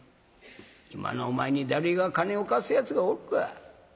今のお前に誰が金を貸すやつがおるか。